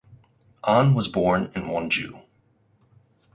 Ahn was born in Wonju.